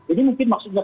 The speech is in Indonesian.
ini mungkin maksudnya